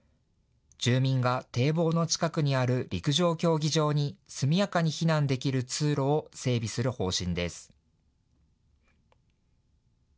住民が堤防の近くにある陸上競技場に速やかに避難できる通路を整備する方針です。